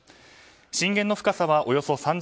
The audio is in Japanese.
震源の深さはおよそ３０ｋｍ。